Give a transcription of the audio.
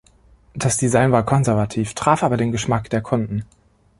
Das Design war konservativ, traf aber den Geschmack der Kunden.